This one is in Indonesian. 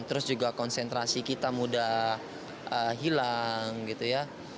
terus juga konsentrasi kita mudah hilang gitu ya